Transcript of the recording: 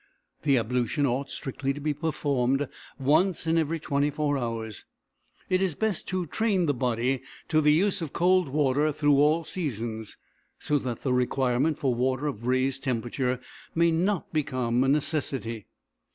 The ablution ought, strictly, to be performed once in every twenty four hours. It is best to train the body to the use of cold water through all seasons, so that the requirement for water of raised temperature may not become a necessity.